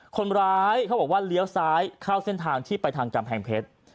คนร้ายเขาบอกว่าเลี้ยวซ้ายเข้าเส้นทางที่ไปทางกำแพงเพชร